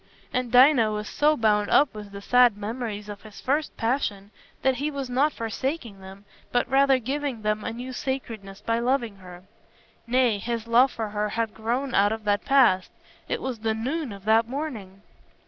And Dinah was so bound up with the sad memories of his first passion that he was not forsaking them, but rather giving them a new sacredness by loving her. Nay, his love for her had grown out of that past: it was the noon of that morning.